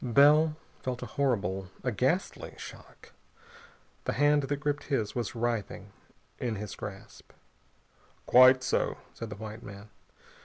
Bell felt a horrible, a ghastly shock. The hand that gripped his was writhing in his grasp. "Quite so," said the white man.